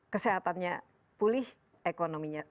kesehatannya pulih ekonominya